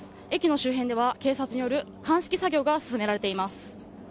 駅の周辺では警察による鑑識作業が続けられています。